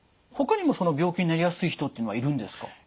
他にもその病気になりやすい人っていうのはいるんですか？